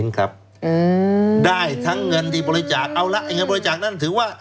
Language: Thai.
ครับได้ทั้งเงินที่บริจาคเอาละเงินบริจาคนั้นถือว่า